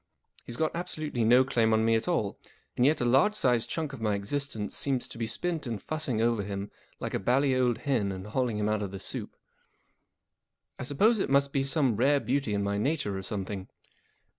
He's got absolutely no claim on me at all, and yet a large sized chunk of my existence seems to be spent in fussing over him like a bally old hen and hauling him out of the soup. I suppose it must be some rare beauty in my nature or something.